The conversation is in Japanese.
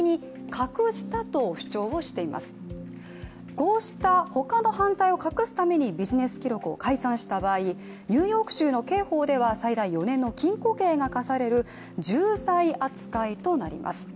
こうした他の犯罪を隠すためにビジネス記録を改ざんした場合ニューヨーク州の刑法では最大４年の禁錮刑が科される重罪扱いとなります。